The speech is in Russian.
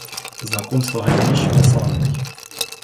Знакомство Голенищева с Анной.